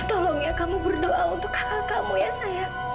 tolong ya kamu berdoa untuk kakak kamu ya sayang